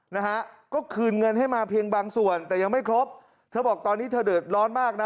นะฮะก็คืนเงินให้มาเพียงบางส่วนแต่ยังไม่ครบเธอบอกตอนนี้เธอเดือดร้อนมากนะ